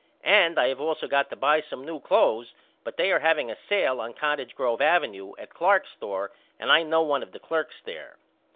And I have also got to buy some new cloths but they are haveing a sale on Cottage Grove Avenue at Clark's store and I know one of the clerks there.